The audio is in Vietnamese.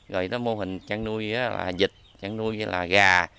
rồi tới mô hình trang nuôi dịch trang nuôi gà